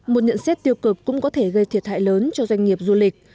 một nhận xét tiêu cực cũng có thể gây thiệt hại lớn cho doanh nghiệp du lịch